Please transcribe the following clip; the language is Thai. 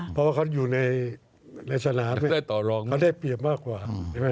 เพราะว่าเขาอยู่ในสนามเขาได้เปรียบมากกว่า